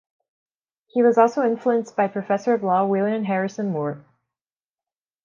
He was also influenced by professor of law, William Harrison Moore.